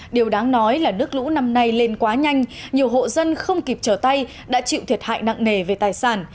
điều đáng nói là nước lũ năm nay lên quá nhanh nhiều hộ dân không kịp trở tay đã chịu thiệt hại nặng nề về tài sản